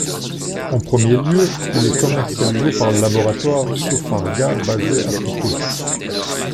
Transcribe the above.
En premier lieu, il est commercialisé par le laboratoire Sopharga basé à Puteaux.